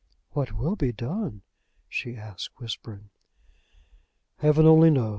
"What will be done?" she asked, whispering. "Heaven only knows.